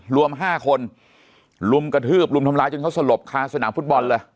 รวม๕คนลุมกระทืบลุมทำร้ายจนเขาสลบคาสนามฟุตบอลเลย